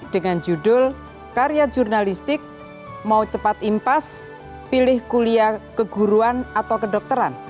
dengan judul karya jurnalistik mau cepat impas pilih kuliah keguruan atau kedokteran